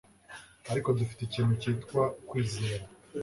Ariko dufite ikintu cyitwa kwizera